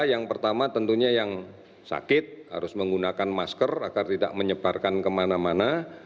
yang pertama tentunya yang sakit harus menggunakan masker agar tidak menyebarkan kemana mana